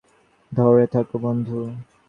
ধরে থাকো, বন্ধু!